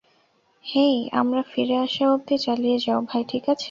হেই, আমরা ফিরে আসা অব্ধি চালিয়ে যাও, ভাই, ঠিক আছে?